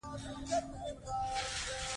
دا یوه ارزانه او پاکه انرژي ده.